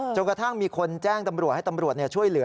จนกระทั่งมีคนแจ้งตำรวจให้ตำรวจช่วยเหลือ